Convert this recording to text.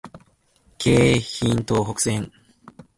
京浜東北線